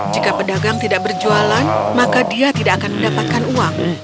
jika pedagang tidak berjualan maka dia tidak akan mendapatkan uang